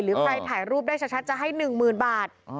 หรือใครถ่ายรูปได้ชัดจะให้หนึ่งหมื่นบาท